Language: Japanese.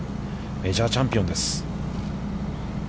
メジャーチャンピオンです。